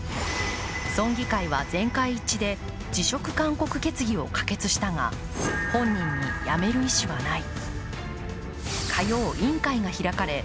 村議会は全会一致で辞職勧告決議を可決したが、本人に辞める意思はない。